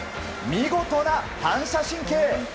見事な反射神経！